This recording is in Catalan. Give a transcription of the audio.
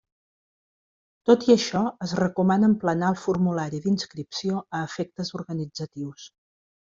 Tot i això, es recomana emplenar el formulari d'inscripció a efectes organitzatius.